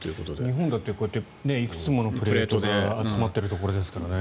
日本だっていくつものプレートが集まってるところですからね。